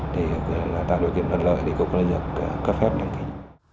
để tạo điều kiện thuận lợi thì cục quản lý dược cấp phép đăng ký